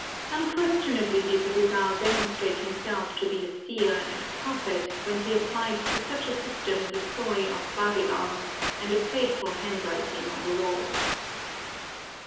Unquestionably did Rizal demonstrate himself to be a seer and prophet when he applied to such a system the story of Babylon and the fateful handwriting on the wall!